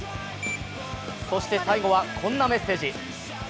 そして、最後はこんなメッセージ。